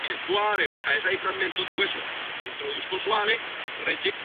La fatiga del usuario sigue siendo un problema.